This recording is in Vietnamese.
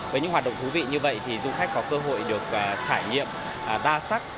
với những hoạt động thú vị như vậy thì du khách có cơ hội được trải nghiệm đa sắc